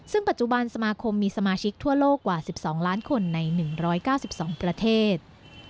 ซึ่งปัจจุบันสมาคมมีสมาชิกทั่วโลกกว่า๑๒ล้านคนใน๑๙๒ประเทศ